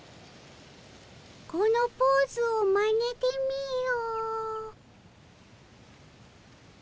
このポーズをまねてみよ。